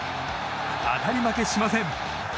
当たり負けしません。